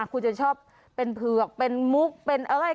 คุณจะชอบเป็นเผือกเป็นมุกเป็นอะไร